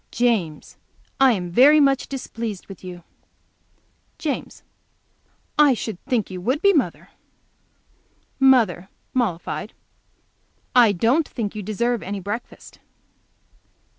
"James, I am very much displeased with you." James. "I should think you would be, mother." Mother, mollified. "I don't think you deserve any breakfast."